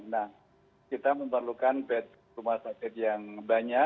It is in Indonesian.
nah kita memerlukan bed rumah sakit yang banyak